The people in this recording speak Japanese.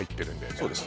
そうです